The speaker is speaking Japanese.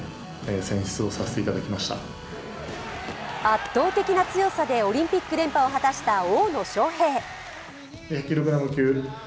圧倒的な強さでオリンピック連覇を果たした大野将平。